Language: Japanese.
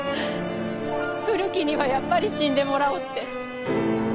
古木にはやっぱり死んでもらおうって。